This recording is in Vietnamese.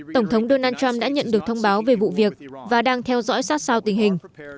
tổng thống donald trump đã nhận được thông báo về vụ việc và đang theo dõi sát sao tình hình